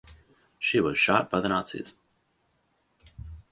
She was shot by the Nazis.